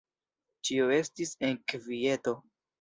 Ĉio estis en kvieto.